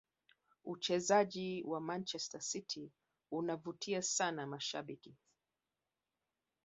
uchezaji wa manchester city unavutia sana mashabiki